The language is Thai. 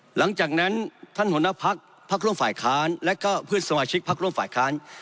หลังจากนั้นท่านหัวหน้าพักพักร่วมฝ่ายค้านและก็เพื่อนสมาชิกพักร่วมฝ่ายค้าน